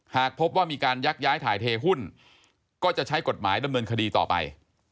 หากพบว่ามีการยักย้ายถ่ายเทหุ้นก็จะใช้กฎหมายดำเนินคดีต่อไป